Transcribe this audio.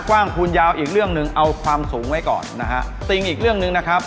คูณยาวอีกเรื่องหนึ่งเอาความสูงไว้ก่อนนะฮะติ่งอีกเรื่องหนึ่งนะครับ